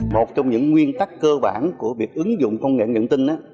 một trong những nguyên tắc cơ bản của việc ứng dụng công nghệ nhận tin